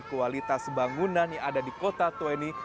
kualitas bangunan yang ada di kota tua ini